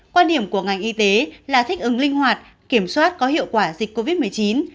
quan điểm của ngành y tế là thích ứng linh hoạt kiểm soát có hiệu quả dịch covid một mươi chín